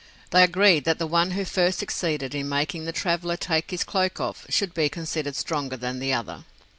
They agreed that the one who first succeeded in making the traveler take his cloak off should be considered stronger than the other.